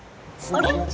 あれ？